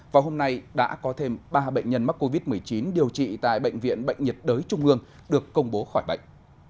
và hôm nay đã có thêm ba bệnh nhân mắc covid một mươi chín điều trị tại bệnh viện bệnh nhiệt đới trung ương được công bố khỏi bệnh